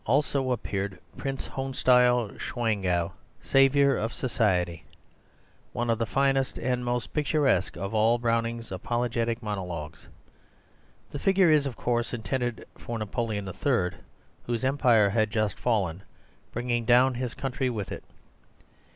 In 1871 also appeared Prince Hohenstiel Schwangau: Saviour of Society, one of the finest and most picturesque of all Browning's apologetic monologues. The figure is, of course, intended for Napoleon III., whose Empire had just fallen, bringing down his country with it.